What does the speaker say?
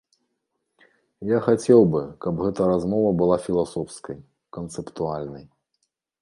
Я хацеў бы, каб гэта размова была філасофскай, канцэптуальнай.